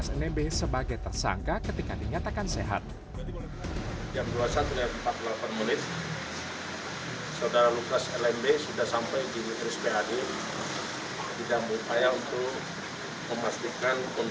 sehingga penangkapan dilakukan oleh kpk